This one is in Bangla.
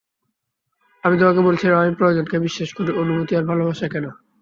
আমি তোমাকে বলেছিলাম, আমি প্রয়োজন কে বিশ্বাস করি, অনুভূতি আর ভালবাসাকে না।